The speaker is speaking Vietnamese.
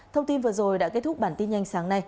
thông tin vừa rồi đã kết thúc bản tin nhanh sáng nay